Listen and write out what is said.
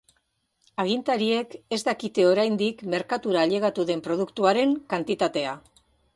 Agintariek ez dakite oraindik merkatura ailegatu den produktuaren kantitatea.